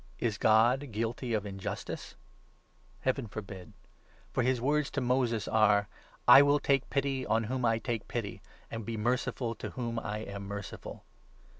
Is God guilty of injustice? 14 Heaven forbid ! For his words to Moses are — 15 ' I will take pity on whom I take pity, and be merciful jto whom I am merciful.'